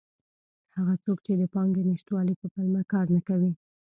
هغه څوک چې د پانګې نشتوالي په پلمه کار نه کوي.